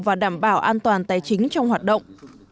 và đảm bảo an toàn tài chính trong hoạt động